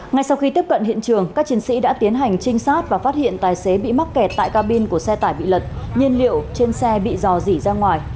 ngay sau khi tiếp cận hiện trường các chiến sĩ đã tiến hành trinh sát và phát hiện tài xế bị mắc kẹt tại cabin của xe tải bị lật nhiên liệu trên xe bị dò dỉ ra ngoài